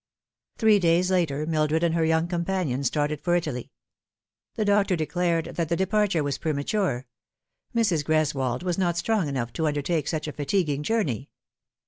THREE days later Mildred and her young companion started for Italy. The doctor declared that the departure was prema ture Mrs. Greswold was not strong enough to undertake such 206 The Fatal Three. a fatiguing journey.